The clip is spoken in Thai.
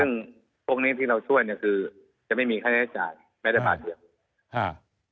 ซึ่งพวกนี้ที่เราช่วยเนี้ยคือจะไม่มีใครให้จ่ายไม่ได้ปลาเทียบอ่า